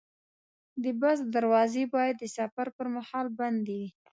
د بس دروازې باید د سفر پر مهال بندې وي.